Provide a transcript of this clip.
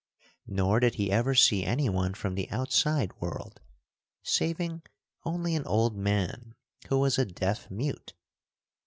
Nor did he ever see anyone from the outside world, saving only an old man who was a deaf mute.